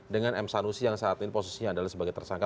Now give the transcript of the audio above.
dengan m sanusi yang saat ini posisinya adalah sebagai tersangka